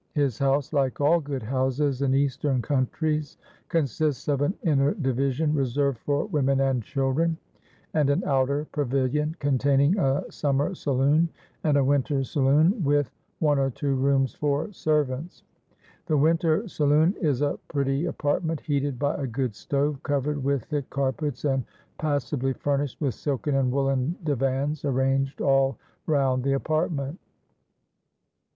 His house, like all good houses in Eastern countries, consists of an inner division reserved for women and children, and an outer pavilion, containing a summer saloon, and a winter saloon, with one or two rooms for servants. The winter saloon is a pretty apartment heated by a good stove, covered with thick carpets, and passably furnished with silken and woollen divans arranged all round the apartment.